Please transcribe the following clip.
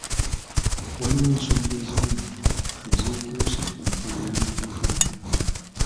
Waliwo ensonga ezimu ezeekuusa ku nkola y'amateeka gaffe.